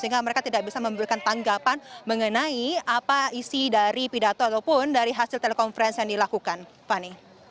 sehingga mereka tidak bisa memberikan tanggapan mengenai apa isi dari pidato ataupun dari hasil telekonferensi yang dilakukan fani